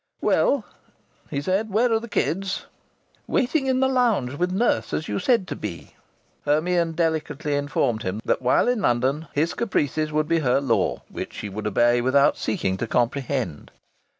"Well," he said, "where are the kids?" "Waiting in the lounge with nurse, as you said to be." Her mien delicately informed him that while in London his caprices would be her law, which she would obey without seeking to comprehend.